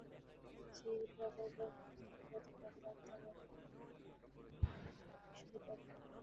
সেইরূপ অপর লোকে নিম্নগতি-প্রাপ্ত আত্মারাও এখানকার অন্যান্য আত্মার সহিত অভিন্ন।